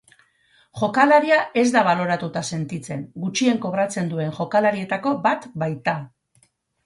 Jokalaria ez da baloratuta sentitzen, gutxien kobratzen duen jokalarietako bat baita.